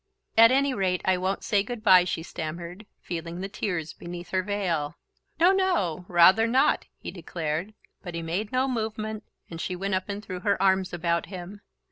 "At any rate, I won't say good bye," she stammered, feeling the tears beneath her veil. "No, no; rather not!" he declared; but he made no movement, and she went up and threw her arms about him.